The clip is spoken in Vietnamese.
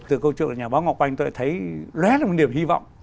từ câu chuyện của nhà báo ngọc oanh tôi thấy rẽ là một điểm hy vọng